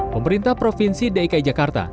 pemerintah provinsi dki jakarta